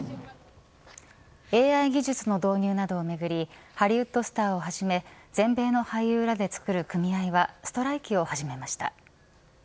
ＡＩ技術の導入などをめぐりハリウッドスターをはじめ全米の俳優らでつくる組合はストライキを始めました。